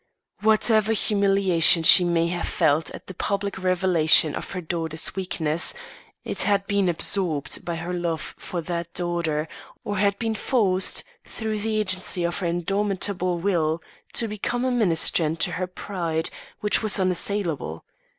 Whatever humiliation she may have felt at the public revelation of her daughter's weakness, it had been absorbed by her love for that daughter, or had been forced, through the agency of her indomitable will, to become a ministrant to her pride which was unassailable.